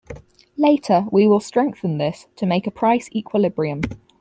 Later we will strengthen this to make a price equilibrium.